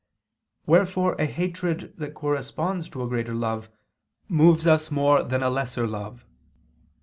Wherefore a hatred that corresponds to a greater love, moves us more than a lesser love.